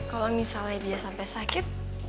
kalau misalnya dia sampai sakit kamu bisa panggil dia